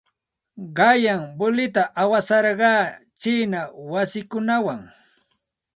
Qanyan voleyta awasarqaa chiina masiikunawan.